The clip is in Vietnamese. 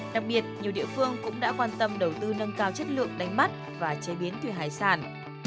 đặc biệt nhiều địa phương cũng đã quan tâm đầu tư nâng cao chất lượng đánh bắt và chế biến thủy hải sản